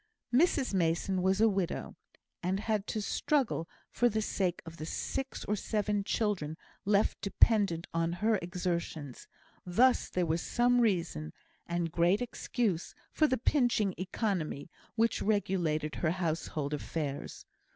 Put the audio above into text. Mrs Mason was a widow, and had to struggle for the sake of the six or seven children left dependent on her exertions; thus there was some reason, and great excuse, for the pinching economy which regulated her household affairs.